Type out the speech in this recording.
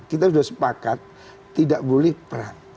kita sudah sepakat tidak boleh perang